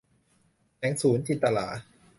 แสงสูรย์ - จินตะหรา